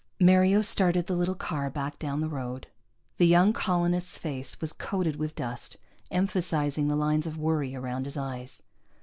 Mario started the little car back down the road. The young colonist's face was coated with dust, emphasizing the lines of worry around his eyes.